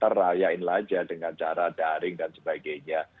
terrayain saja dengan cara daring dan sebagainya